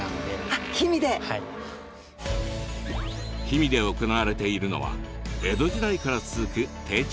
氷見で行われているのは江戸時代から続く定置網漁。